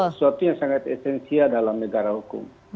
sesuatu yang sangat esensial dalam negara hukum